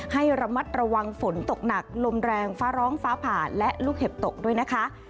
ให้ระมัดระวังฝนตกหนักลมแรงฟ้าร้องฟ้าผ่าและลูกเห็บตกด้วยนะคะ